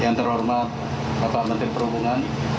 yang terhormat bapak menteri perhubungan